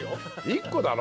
１個だろ。